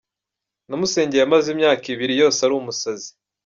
Namusengeye amaze imyaka ibiri yose ari umusazi.